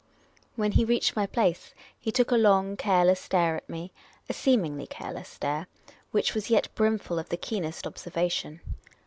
When he reached my place, he took a long, careless stare at me — a seemingly careless stare, which was yet brimful of the keenest observa tion.